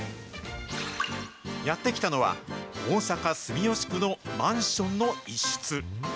やって来たのは、大阪・住吉区のマンションの一室。